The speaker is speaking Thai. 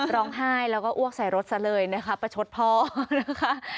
ร้องไห้แล้วก็อ้วกใส่รถซะเลยนะคะประชดพ่อนะคะ